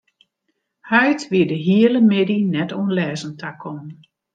Heit wie de hiele middei net oan lêzen takommen.